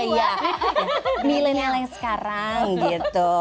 iya milenial yang sekarang gitu